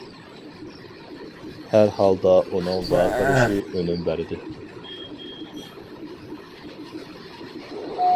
ھەر ھالدا ئۇنىڭ ۋارقىرىشى ئۈنۈم بەردى.